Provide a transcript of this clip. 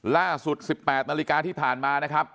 ล่าสุด๑๘นาฬิกาที่ผ่านมานะครับ